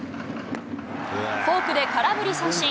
フォークで空振り三振。